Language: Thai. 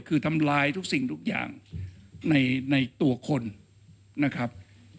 คือทำร้ายทุกสิ่งทุกอย่างในตัวคนนะครับ